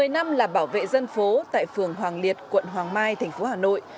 một mươi năm là bảo vệ dân phố tại phường hoàng liệt quận hoàng mai tp hà nội